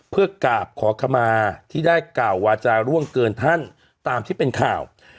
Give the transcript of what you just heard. เพื่อกราบขอขมาที่ได้กล่าววาจาร่วงเกินท่านตามที่เป็นข่าว